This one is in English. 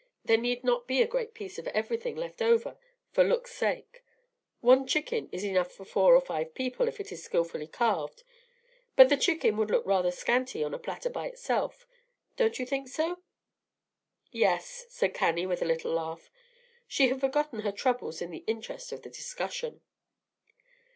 There need not be a great piece of everything left over for look's sake. One chicken is enough for four or five people if it is skilfully carved, but the chicken would look rather scanty on a platter by itself; don't you think so?" "Yes," said Cannie, with a little laugh. She had forgotten her troubles in the interest of the discussion.